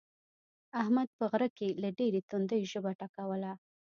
احمد په غره کې له ډېرې تندې ژبه ټکوله.